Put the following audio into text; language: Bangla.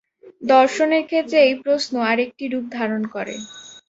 দর্শনের ক্ষেত্রে এই প্রশ্ন আর একটি রূপ ধারণ করে।